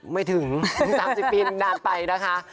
ไม่ถึง๓๐ปีนานไปนะคะ